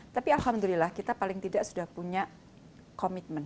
tapi alhamdulillah kita paling tidak sudah punya komitmen